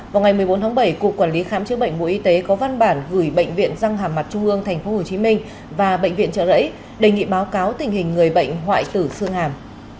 vào ngày một mươi bốn tháng bảy cục quản lý khám chữa bệnh bộ y tế có văn bản gửi bệnh viện răng hàm mặt trung ương tp hcm và bệnh viện trợ rẫy đề nghị báo cáo tình hình người bệnh hoại tử xương hàm